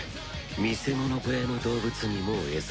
見せ物小屋の動物にもう餌は必要ない。